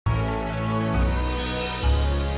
yang menghancurkan mimpi mamaku